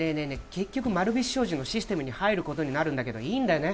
結局丸菱商事のシステムに入ることになるんだけどいいんだよね？